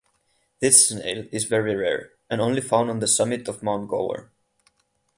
This snail is very rare and only found on the summit of Mount Gower.